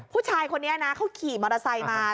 ผู้ชายคนนี้นะเขาขี่มอเตอร์ไซค์มา